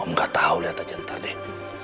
om gak tahu lihat aja ntar deh